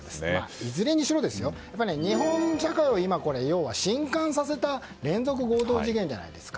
いずれにしろ、日本社会を震撼させた連続強盗事件じゃないですか。